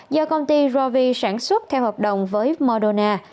do công ty rovi sản xuất theo hợp đồng với moderna